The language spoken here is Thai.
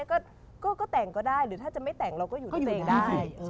ก็แต่งก็ได้หรือถ้าจะไม่แต่งเราก็อยู่ที่ตัวเองได้